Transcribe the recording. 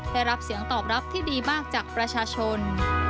ได้รับเสียงตอบรับที่ดีมากจากประชาชน